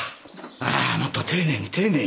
ああもっと丁寧に丁寧に。